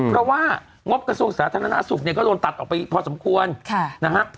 เพราะว่างบกระทรวงสาธารณาอสุขก็โดนตัดออกไปพอสมควร